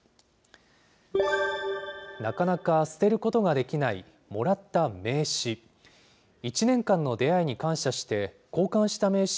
なかなか捨てることができないもらった名刺。